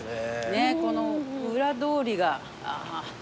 ねっこの裏通りが。